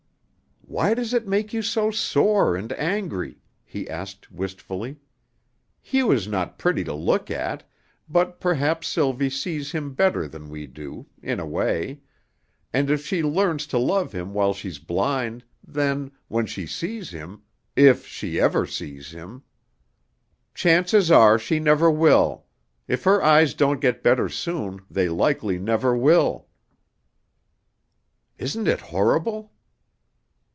"Why does it make you so sore and angry?" he asked wistfully. "Hugh is not pretty to look at, but perhaps Sylvie sees him better than we do in a way; and if she learns to love him while she's blind, then, when she sees him, if she ever sees him " "Chances are she never will. If her eyes don't get better soon, they likely never will." "Isn't it horrible?"